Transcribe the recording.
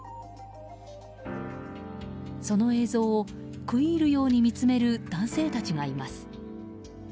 その映像を食い入るように見つめる男性たちがいます。